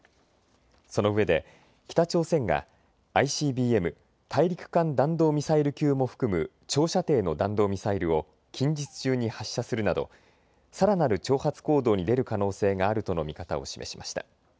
そのうえで北朝鮮がＩＣＢＭ・大陸間弾道ミサイル級も含む長射程の弾道ミサイルを近日中に発射するなどさらなる挑発行動に出る可能性があるとの見方を示しました。